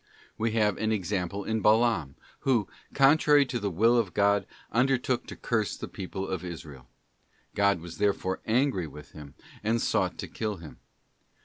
We have an example in Balaam, who, contrary to the Will of God, undertook to curse the people of Israel. God was there fore angry with him, and sought to kill him.